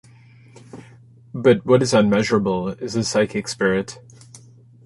But what is unmeasurable is the psychic spirit.